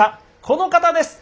この方です。